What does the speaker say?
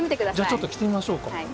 ちょっと着てみましょうか。